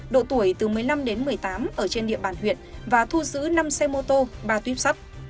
độ tuổi từ một mươi năm đến một mươi tám ở trên địa bàn huyện và thu giữ năm xe mô tô ba tuyếp sắt